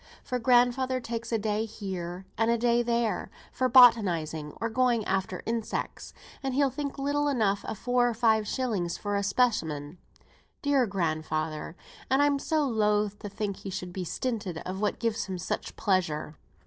For grandfather takes a day here, and a day there, for botanising or going after insects, and he'll think little enough of four or five shillings for a specimen; dear grandfather! and I'm so loath to think he should be stinted of what gives him such pleasure.